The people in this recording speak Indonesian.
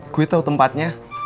gue tau tempatnya